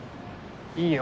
いいよ。